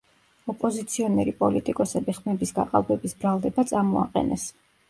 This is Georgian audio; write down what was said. ოპოზიციონერი პოლიტიკოსები ხმების გაყალბების ბრალდება წამოაყენეს.